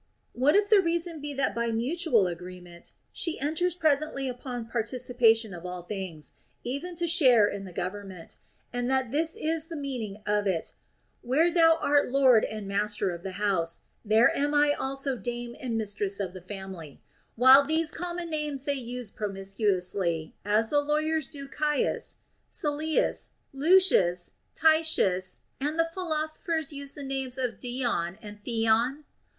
What if the reason be that by mutual agree ment she enters presently upon participation of all things, even to share in the government, and that this is the meaning of it, Where thou art lord and master of the family, there am I also dame and mistress of the family ; while these common names they use promiscuouslv, as the lawyers do Caius, Seius, Lucius, Titius, and the philo sophers use the names of Dion and Theon